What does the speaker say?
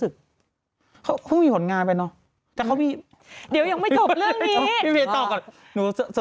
ข้างล่างผมให้ผมรู้สึก